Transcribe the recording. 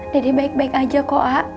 dede baik baik aja kok a